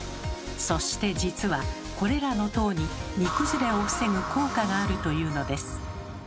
そして実はこれらの糖に煮崩れを防ぐ効果があるというのです。